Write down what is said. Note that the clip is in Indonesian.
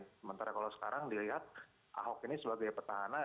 sementara kalau sekarang dilihat ahok ini sebagai petahana